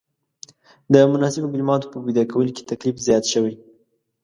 د مناسبو کلماتو په پیدا کولو کې تکلیف زیات شوی.